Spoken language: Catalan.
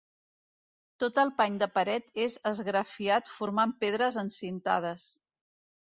Tot el pany de paret és esgrafiat formant pedres encintades.